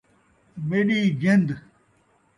میݙی جِند!